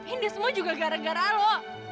ini semua juga gara gara lho